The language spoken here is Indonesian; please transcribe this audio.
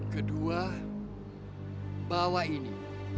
kedua bawa ini